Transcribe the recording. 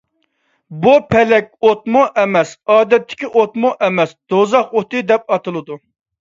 بۇ، پەلەك ئوتىمۇ ئەمەس، ئادەتتىكى ئوتمۇ ئەمەس، «دوزاخ ئوتى» دەپ ئاتىلىدۇ.